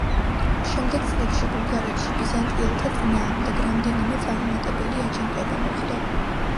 შემდეგ წლებში ბულგარეთში ბიზანტიელთა წინააღმდეგ რამდენიმე წარუმატებელი აჯანყება მოხდა.